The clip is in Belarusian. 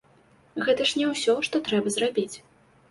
Гэта ж не ўсё, што трэба зрабіць.